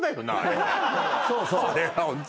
そうそう。